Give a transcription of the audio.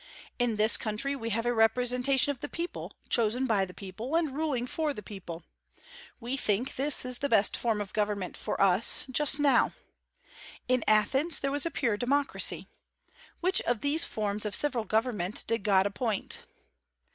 In this country we have a representation of the people, chosen by the people, and ruling for the people. We think this is the best form of government for us, just now. In Athens there was a pure democracy. Which of these forms of civil government did God appoint?